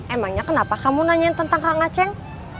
emangnya kenapa kamu nanyain tentang kak ngaceng